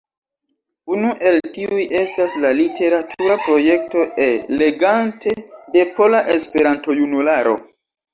Unu el tiuj estas la literatura projekto E-legante de Pola Esperanto-Junularo.